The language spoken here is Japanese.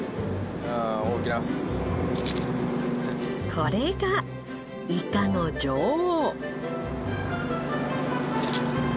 これがイカの女王。